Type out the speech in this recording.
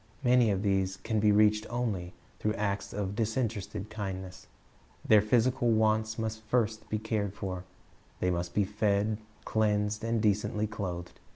Many of these can be reached only through acts of disinterested kindness. Their physical wants must first be cared for. They must be fed, cleansed, and decently clothed.